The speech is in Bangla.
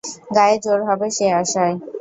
গায়ে জোর হবে সে আশায়।